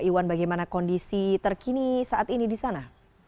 iwan bagaimana kondisi terkini saat ini di sana